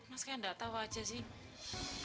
mas kayak nggak tahu aja sih